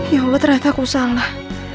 ya allah ternyata aku salah